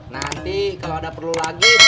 nanti kalau ada perlu lagi